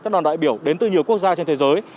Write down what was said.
các đoàn đại biểu đến từ nhiều quốc gia trên thế giới